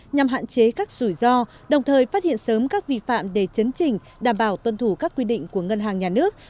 nhằm hạn chế các rủi ro đồng thời phát hiện sớm các vi phạm để chấn trình đảm bảo tuân thủ các quy định của ngân hàng nhà nước